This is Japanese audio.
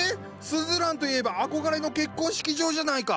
スズランといえば憧れの結婚式場じゃないか。